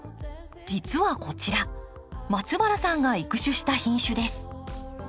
実はこちら松原さんが育種した品種です。